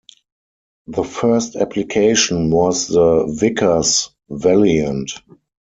The first application was the Vickers Valiant.